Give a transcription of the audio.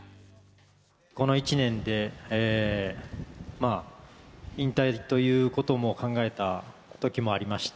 この１年で引退ということも考えたときもありました。